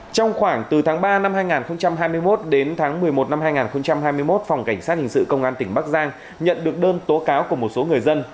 trong khoảng từ tháng ba năm hai nghìn hai mươi một đến tháng một mươi một năm hai nghìn hai mươi một phòng cảnh sát hình sự công an tỉnh bắc giang nhận được đơn tố cáo của một số người dân